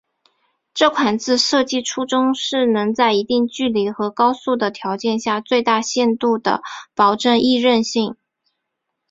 这款字设计初衷是能在一定距离和高速的条件下最大限度地保证易认性。